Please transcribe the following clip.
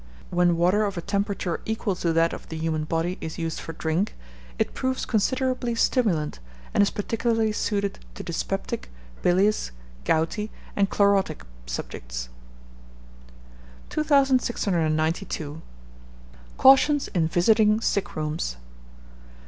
When water of a temperature equal to that of the human body is used for drink, it proves considerably stimulant, and is particularly suited to dyspeptic, bilious, gouty, and chlorotic subjects. 2692. CAUTIONS IN VISITING SICK ROOMS.